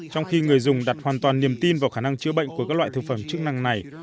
trong khi người dùng đặt hoàn toàn niềm tin vào khả năng chữa bệnh của các loại thực phẩm chức năng này